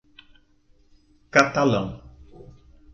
Catalão